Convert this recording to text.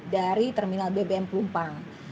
dari terminal bbm pelumpang